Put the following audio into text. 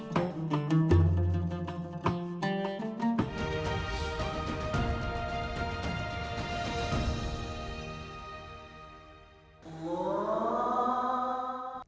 k dan g